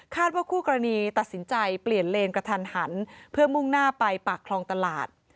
ว่าคู่กรณีตัดสินใจเปลี่ยนเลนกระทันหันเพื่อมุ่งหน้าไปปากคลองตลาด